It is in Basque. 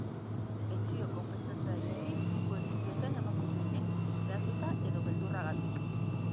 Pentsio konpentsatzaileari uko egin zioten emakume horiek behartuta edo beldurragatik.